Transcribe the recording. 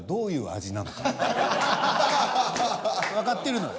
わかってるのよ。